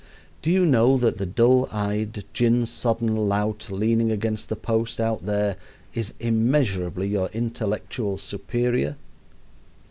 Do you know that that dull eyed, gin sodden lout leaning against the post out there is immeasurably your intellectual superior?